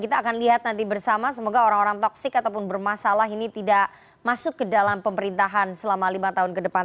kita akan lihat nanti bersama semoga orang orang toksik ataupun bermasalah ini tidak masuk ke dalam pemerintahan selama lima tahun ke depan